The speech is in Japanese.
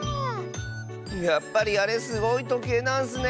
やっぱりあれすごいとけいなんスね。